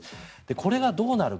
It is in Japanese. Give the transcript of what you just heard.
これがどうなるか。